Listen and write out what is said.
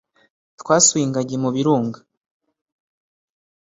Twasuye ingagi mu birunga